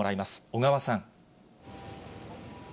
小川さん。